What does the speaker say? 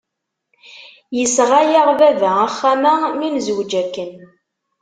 Yesɣa-yaɣ baba axxam-a mi nezweǧ akken.